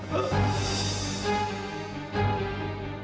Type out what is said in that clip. ya allah gimana ini